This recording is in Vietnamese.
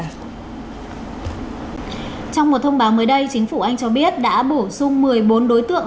trong một thông báo mới đây chính phủ anh cho biết đã bổ sung một mươi bốn đối tượng